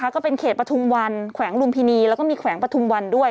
ก็เป็นเขตปฐุมวันแขวงลุมพินีแล้วก็มีแขวงปฐุมวันด้วย